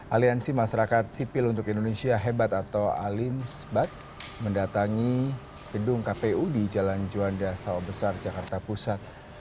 aliansi masyarakat sipil untuk indonesia hebat atau alimsbat mendatangi gedung kppu di jalan juan dasar besar jakarta pusat